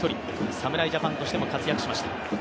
侍ジャパンとしても活躍しました。